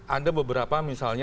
ando beberapa misalnya